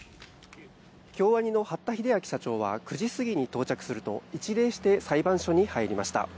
京アニの八田英明社長は９時過ぎに到着すると一礼して裁判所に入りました。